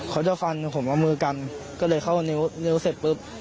เขาจะฟันผมเอามือกันก็เลยเข้านิ้วเสร็จปุ๊บ